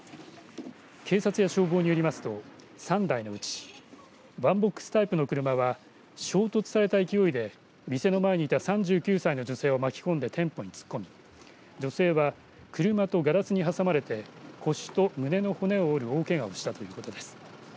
警察や消防によりますと３台のうちワンボックスタイプの車は衝突された勢いで店の前にいた３９歳の女性を巻き込んで店舗に突っ込み女性は車とガラスに挟まれて腰と胸の骨を折る大けがをしたということです。